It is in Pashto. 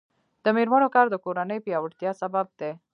د میرمنو کار د کورنۍ پیاوړتیا سبب دی.